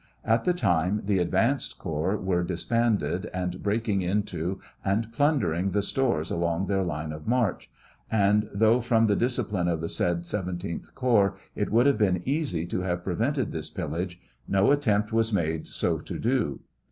At the time the advance corps were disbanded and breaking into and plundering the stores along their line of march, and though from the discipline of the said 17th corps, it would have been easy to have prevented this pil lage, no attempt was made so to do.